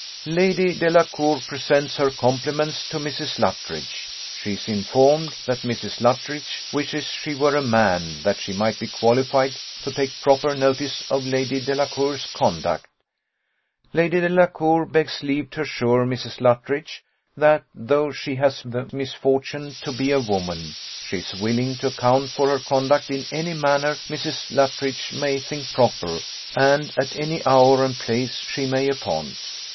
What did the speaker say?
"'Lady Delacour presents her compliments to Mrs. Luttridge she is informed that Mrs. L wishes she were a man, that she might be qualified to take proper notice of Lady D 's conduct. Lady Delacour begs leave to assure Mrs. Luttridge, that though she has the misfortune to be a woman, she is willing to account for her conduct in any manner Mrs. L may think proper, and at any hour and place she may appoint.